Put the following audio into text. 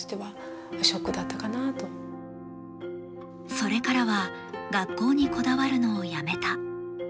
それからは学校にこだわるのをやめた。